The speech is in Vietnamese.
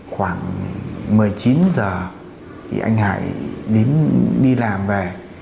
khoảng một mươi chín giờ thì anh hải đi làm về